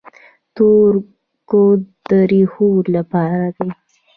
تور کود د ریښو لپاره دی.